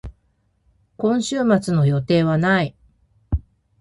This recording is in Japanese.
今週末の予定はない。